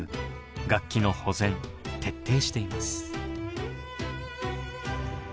楽器の保全徹底しています。